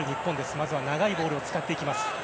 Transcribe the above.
まずは長いボールを使っていきます。